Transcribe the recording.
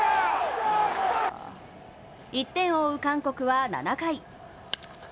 １点を追う韓国は７回。